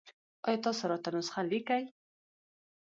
ایا تاسو راته نسخه لیکئ؟